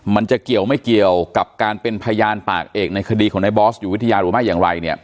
มันจะเกี่ยวไม่เกี่ยวกับการเป็นพยานปากเอกในคดีของในบอสอยู่วิทยาหรือไม่อย่างไรเนี่ย